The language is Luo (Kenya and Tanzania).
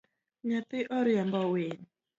Nyathi oriembo winy